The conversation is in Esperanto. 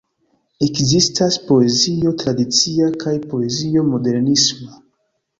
Ekzistas poezio tradicia kaj poezio modernisma.